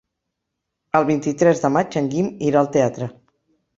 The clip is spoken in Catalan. El vint-i-tres de maig en Guim irà al teatre.